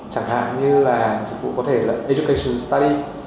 chẳng hạn như là dịch vụ có thể là agrication study